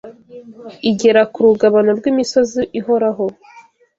Igera ku rugabano rw’imisozi ihoraho